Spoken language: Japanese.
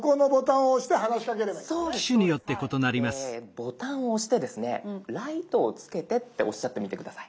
ボタンを押してですね「ライトをつけて」っておっしゃってみて下さい。